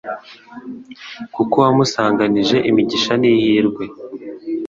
Kuko wamusanganije imigisha n’ihirwe